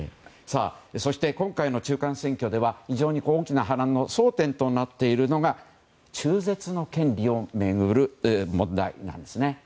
そして今回の中間選挙では非常に大きな争点となっているのが中絶の権利を巡る問題なんですね。